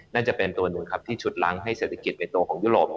น่าจะเป็นตัวหนึ่งครับที่ชุดล้างให้เศรษฐกิจในตัวของยุโรป